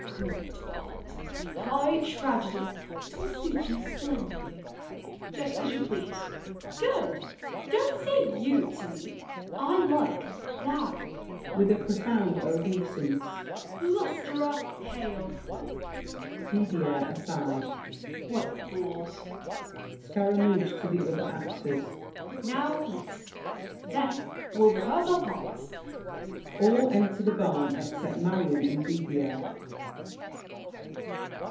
Great part! High tragedy! 'Twill suit you splendidly. DIDIER. Just as you please! SCARAMOUCHE. Good! Don't say "you" to me! I like "thou"! [With a profound obeisance. Blusterer, hail! DIDIER (aside). What fools! SCARAMOUCHE (to the other actors). Now eat; Then we'll rehearse our parts. [All enter the barn except Marion and Didier.